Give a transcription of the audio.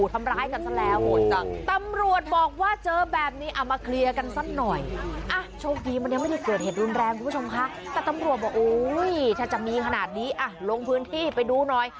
แต่ตำรวจบอกอุ้ยถ้าจะมีขนาดนี้ลงพื้นที่ไปดูหน่อย